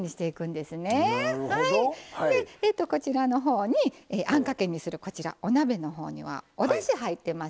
でこちらのほうにあんかけにするお鍋のほうにはおだし入ってますね。